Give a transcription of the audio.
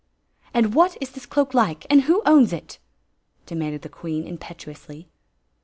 "And what is this cloak like — and who owns it? demanded the queen, impetuously.